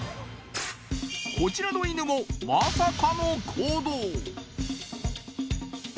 こちらの犬もまさかの行動